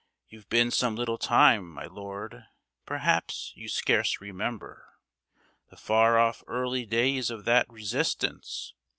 You've been some little time, my Lord. Perhaps you scarce remember The far off early days of that resistance.